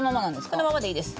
このままでいいです。